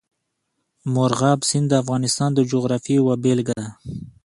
مورغاب سیند د افغانستان د جغرافیې یوه بېلګه ده.